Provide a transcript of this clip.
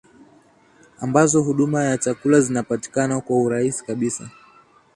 ambazo huduma ya chakula inapatikana kwa urahisi kabisa